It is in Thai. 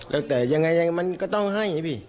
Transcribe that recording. แล้วแต่ยังไงภ์อย่างนี้มันก็ต้องให้พี่